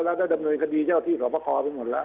แล้วก็ดำเนินคดีเจ้าที่สอบประคอไปหมดแล้ว